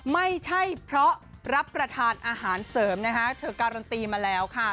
ไม่ใช่เพราะรับประทานอาหารเสริมนะคะเธอการันตีมาแล้วค่ะ